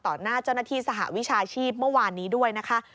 หน้าเจ้าหน้าที่สหวิชาชีพเมื่อวานนี้ด้วยนะคะ